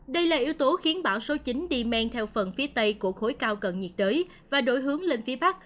đây là yếu tố khiến bão số chín đi men theo phần phía tây của khối cao cận nhiệt đới và đổi hướng lên phía bắc